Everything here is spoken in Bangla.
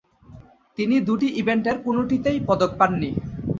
তিনি দুটি ইভেন্টের কোনটিতেই পদক পাননি।